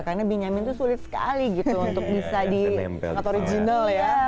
karena benjamin tuh sulit sekali gitu untuk bisa di original ya